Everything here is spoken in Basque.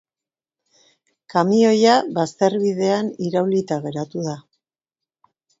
Kamioia bazterbidean iraulita geratu da.